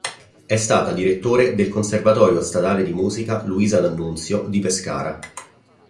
È stata direttore del Conservatorio Statale di Musica “Luisa D’Annunzio” di Pescara.